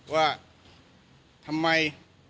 ว่าทำไม